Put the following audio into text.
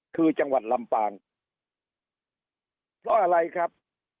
คือจังหวัดลำปางเพราะอะไรครับ